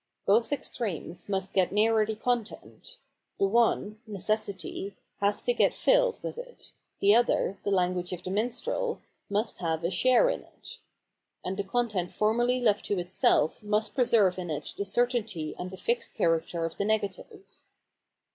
Both extremes must get nearer the content ; the one, necessity, has to get filled with it, the other, the language of the minstrel, must have a share in it. And the content formerly left to itself must preserve in it the certainty and the fixed character of the negative.